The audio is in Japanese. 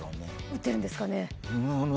打ってるんですかね。